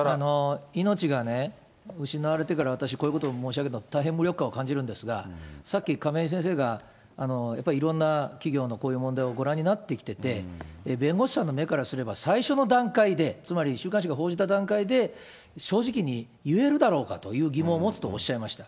命がね、失われてから、私、こういうことを申し上げるのは大変無力感を感じるんですが、さっき亀井先生が、やっぱりいろんな企業のこういう問題をご覧になってきてて、弁護士さんの目からすれば最初の段階で、つまり週刊誌が報じた段階で、正直に言えるだろうかという疑問を持つとおっしゃいました。